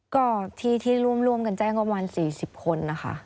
ก็ทีที่ร่วมร่วมกันแจ้งก็ประมาณ๔๐คน